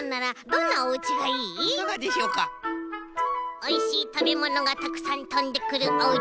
「おいしいたべものがたくさんとんでくるおうち」。